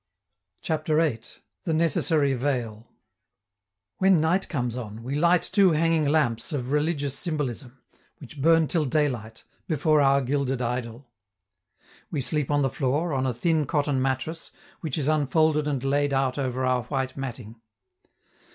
CHAPTER VIII. THE NECESSARY VEIL When night comes on, we light two hanging lamps of religious symbolism, which burn till daylight, before our gilded idol. We sleep on the floor, on a thin cotton mattress, which is unfolded and laid out over our white matting.